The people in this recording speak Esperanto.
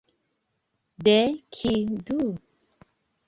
De kiu, do?